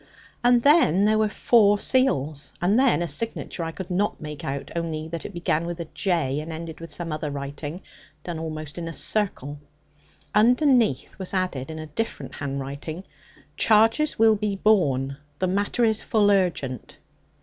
And then there were four seals, and then a signature I could not make out, only that it began with a J, and ended with some other writing, done almost in a circle. Underneath was added in a different handwriting 'Charges will be borne. The matter is full urgent.'